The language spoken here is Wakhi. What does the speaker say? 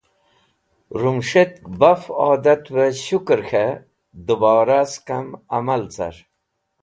Rũmũshetk baf adatvẽ shẽkur k̃hẽ dẽbora skam amal.